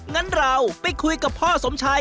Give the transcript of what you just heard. งั้นเราไปคุยกับพ่อสมชาย